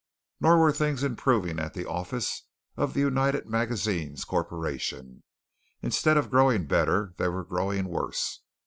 Nor were things improving at the office of the United Magazines Corporation. Instead of growing better, they were growing worse.